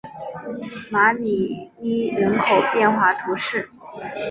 马里尼人口变化图示